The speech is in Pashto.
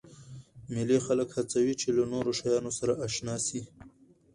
مېلې خلک هڅوي، چي له نوو شیانو سره اشنا سي.